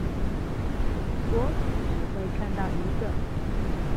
所以只會看到一個